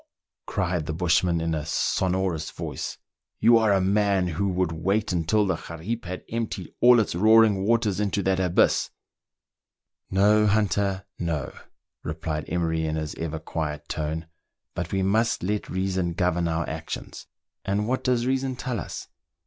" cried the bushman in a sonorous voice, " you are a man who would wait until the Gariep had emptied all its roaring waters into that abyss !"" No, hunter, no," replied Emery in his ever quiet tone ;" but we must let reason govern our actions ; and what does lO MERIDIANA ; THE ADVENTURES OF reason tell us